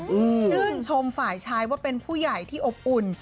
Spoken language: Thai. ชื่นชมฝ่ายชายว่าเป็นผู้ใหญ่ที่อบอุ่น